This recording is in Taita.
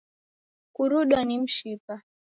Kurudwa ni mshipa